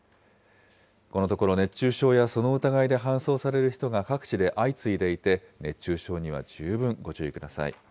このところ熱中症やその疑いで搬送される人が各地で相次いでいて、熱中症には十分ご注意ください。